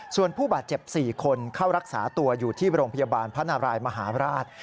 ส่วนผู้บาดเจ็บ๔คนเข้ารักษาตัวอยู่ที่โรงพยาบาลพระนารายมหาราช